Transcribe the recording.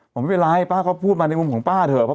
ผมไม่ไปรายป๊าเค้าพูดมาในมุมของป้าเถอะ